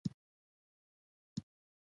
مستو به همدا یوه خبره کوله.